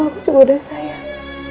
aku cukup udah sayang